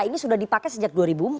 ini sudah dipakai sejak dua ribu empat